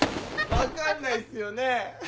分かんないっすよね！